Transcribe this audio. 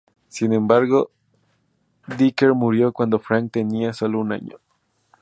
Sin embargo, Decker murió cuando Frank tenía sólo un año.